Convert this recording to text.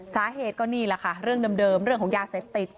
สาเหตุก็นี่แหละค่ะเรื่องเดิมเรื่องของยาเสพติด